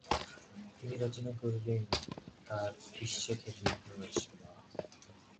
তিনি রচনা করেন তার বিশ্ববিখ্যাত উপন্যাস 'মা'।